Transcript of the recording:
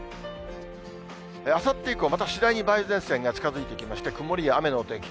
あさって以降、また次第に梅雨前線が近づいてきまして、曇りや雨のお天気。